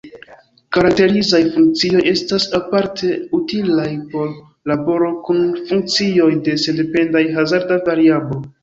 Karakterizaj funkcioj estas aparte utilaj por laboro kun funkcioj de sendependaj hazarda variablo.